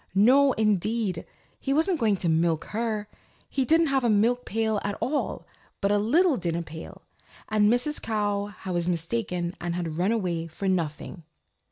No indeed. He wasn't going to milk her. He didn't have a milk pail at all, but a little dinner pail, and Mrs. Cow was mistaken and had run away for nothing.